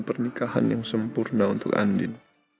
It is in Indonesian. pernikahan yang sempurna untuk andin